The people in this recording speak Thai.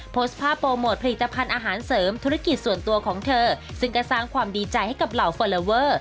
โพสต์ภาพโปรโมทผลิตภัณฑ์อาหารเสริมธุรกิจส่วนตัวของเธอซึ่งก็สร้างความดีใจให้กับเหล่าฟอลลอเวอร์